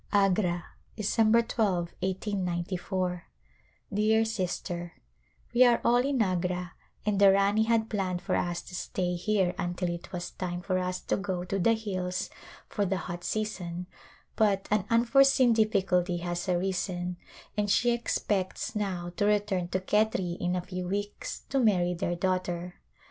Agra^ Dec. 12^ l8gp Dear Sister : We are all in Agra, and the Rani had planned for us to stay here until it was time for us to go to A Royal Wedding the hills for the hot season but an unforeseen difficulty has arisen and she expects now to return to Khetri in a few weeks to marry their daughter.